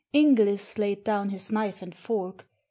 X Inglis laid down his knife and fork.